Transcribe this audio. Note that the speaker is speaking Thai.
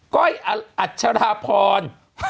ก้อยอัชราพร